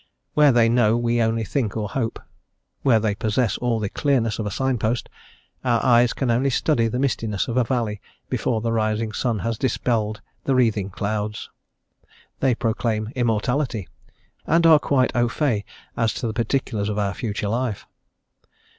Where they know, we only think or hope. Where they possess all the clearness of a sign post, our eyes can only study the mistiness of a valley before the rising sun has dispelled the wreathing clouds. They proclaim immortality, and are quite au fait as to the particulars of our future life.